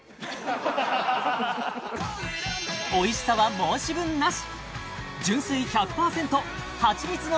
おいしさは申し分なし